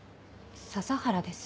佐々原です